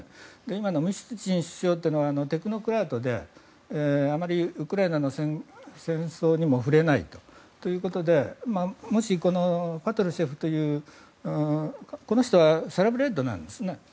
今のミシュスチン首相というのはテクノクラートであまりウクライナの戦争にも触れないということでもしこのパトルシェフというこの人はサラブレッドなんです。